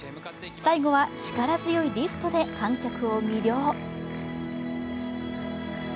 最後は力強いリフトで観客を魅了。